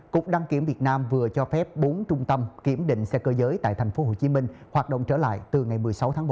cục đăng kiểm việt nam vừa cho phép bốn trung tâm kiểm định xe cơ giới tại tp hcm hoạt động trở lại từ ngày một mươi sáu tháng ba